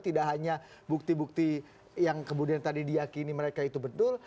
tidak hanya bukti bukti yang kemudian tadi diakini mereka itu betul